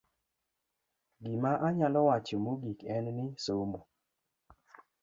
Gima anyalo wacho mogik en ni, somo